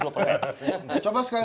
coba sekali sekali